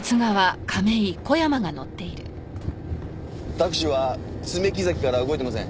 タクシーは爪木崎から動いてません。